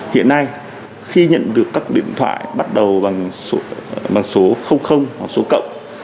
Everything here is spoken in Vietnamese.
hiện nay khi nhận được các điện thoại bắt đầu bằng số hoặc số cộng